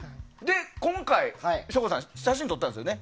今回、省吾さん写真撮ったんですよね